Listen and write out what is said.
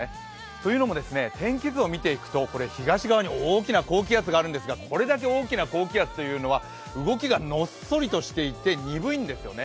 というのも、天気図を見ていくと東側に大きな高気圧があるんですが、これだけ大きな高気圧というのは動きがのっそりとしていて鈍いんですね。